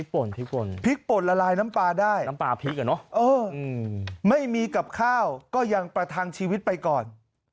พริกป่นละลายน้ำปลาได้ไม่มีกับข้าวก็ยังประทังชีวิตไปก่อน